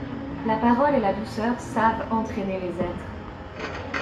La parole et la douceur savent entraîner les êtres.